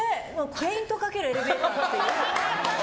フェイントかけるエレベーターっていう。